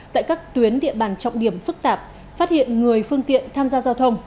tại các tuyến địa bàn trọng điểm phức tạp phát hiện người phương tiện tham gia giao thông